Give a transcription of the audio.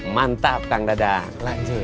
mantap kang dadang